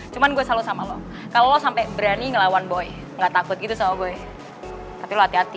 cuma gue selalu sama lo kalau lo sampai berani ngelawan boy gak takut gitu sama gue tapi lo hati hati